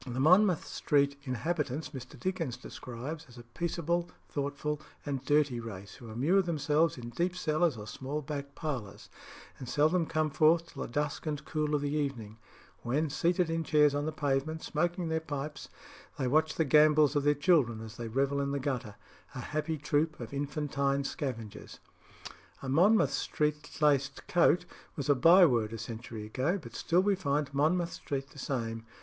The Monmouth Street inhabitants Mr. Dickens describes as a peaceable, thoughtful, and dirty race, who immure themselves in deep cellars or small back parlours, and seldom come forth till the dusk and cool of the evening, when, seated in chairs on the pavement, smoking their pipes, they watch the gambols of their children as they revel in the gutter, a happy troop of infantine scavengers. "A Monmouth Street laced coat" was a byword a century ago, but still we find Monmouth Street the same.